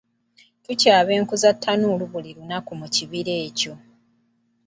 Tukyaba enku za ttanuulu buli lunaku mu kibira ekyo.